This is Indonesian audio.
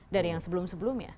dari yang sebelum sebelumnya